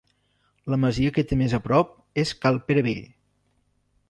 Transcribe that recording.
La masia que té més a prop és Cal Pere Vell.